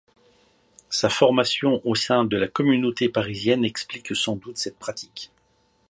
Sa formation au sein de la communauté parisienne explique sans doute cette pratique.